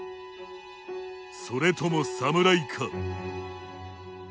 それともサムライか。